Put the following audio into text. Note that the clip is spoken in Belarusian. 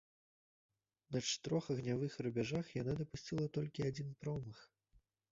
На чатырох агнявых рубяжах яна дапусціла толькі адзін промах.